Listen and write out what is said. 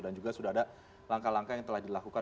dan juga sudah ada langkah langkah yang telah dilakukan